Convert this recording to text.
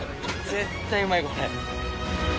絶対うまい、これ。